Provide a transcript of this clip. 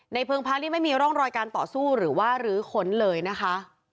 เพลิงพระนี่ไม่มีร่องรอยการต่อสู้หรือว่ารื้อค้นเลยนะคะ